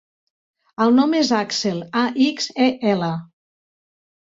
El nom és Axel: a, ics, e, ela.